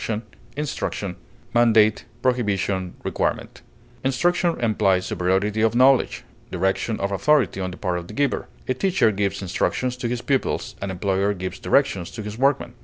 direction, instruction, prohibition, Instruction implies superiority of knowledge, direction of authority on the part of the giver; a teacher gives instructions to his pupils, an employer gives directions to his workmen.